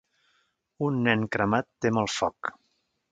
Un nen cremat tem el foc.